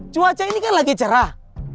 cuaca ini kan lagi cerah